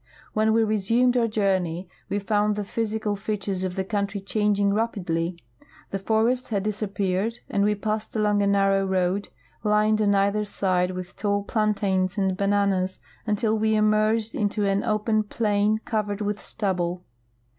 When we resumed our journey we found the physi cal features of the country changing raj)idly. 'i'he forest had disappeared, and we passed along a narrow road, lined on either side with tall plantains and bananas, until we emerged into an open plain covered with stubble.